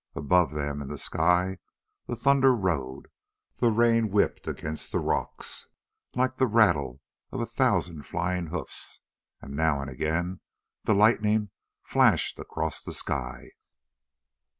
Above them in the sky the thunder rode; the rain whipped against the rocks like the rattle of a thousand flying hoofs; and now and again the lightning flashed across the sky.